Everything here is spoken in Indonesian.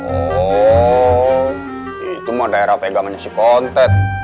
oh itu mah daerah pegangannya si kontek